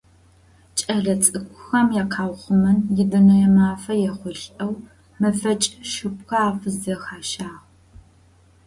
Кӏэлэцӏыкӏухэм якъэухъумэн и Дунэе мафэ ехъулӏэу мэфэкӏ шъыпкъэ афызэхащагъ.